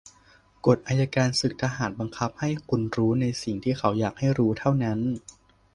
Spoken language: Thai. "กฎอัยการศึกทหารบังคับให้คุณรู้ในสิ่ง"ที่เขาอยากให้รู้"เท่านั้น"